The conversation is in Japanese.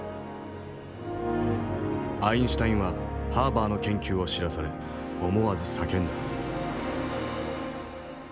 アインシュタインはハーバーの研究を知らされ思わず叫んだ。